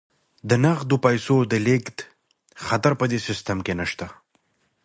د نغدو پيسو د لیږد خطر په دې سیستم کې نشته.